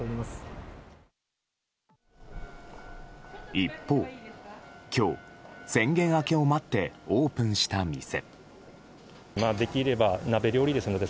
一方、今日宣言明けを待ってオープンした店。